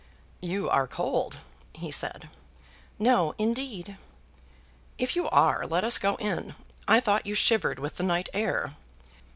"You are cold," he said. "No indeed." "If you are let us go in. I thought you shivered with the night air."